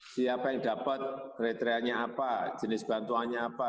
siapa yang dapat kriterianya apa jenis bantuannya apa